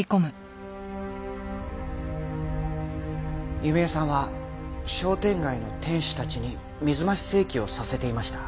弓江さんは商店街の店主たちに水増し請求をさせていました。